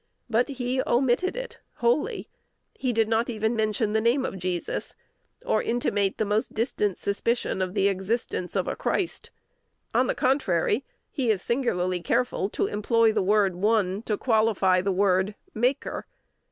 But he omitted it wholly: he did not even mention the name of Jesus, or intimate the most distant suspicion of the existence of a Christ. On the contrary, he is singularly careful to employ the word "One" to qualify the word "Maker."